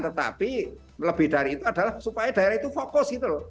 tetapi lebih dari itu adalah supaya daerah itu fokus gitu loh